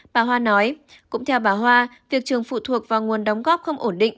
bà hoa nói cũng theo bà hoa việc trường phụ thuộc vào nguồn đóng góp không ổn định